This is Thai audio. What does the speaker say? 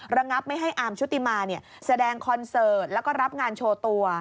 ระงับไม่ให้อาร์มชุติมาแสดงคอนเสิร์ตแล้วก็รับงานโชว์ตัว